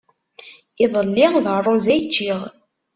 Iḍelli d rruẓ ay ččiɣ.